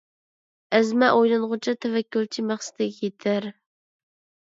ئەزمە ئويلانغۇچە تەۋەككۈلچى مەقسىتىگە يېتەر.